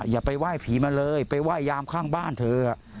อย่าไปไหว้ผีมาเลยไปไหว้ยามข้างบ้านเธอ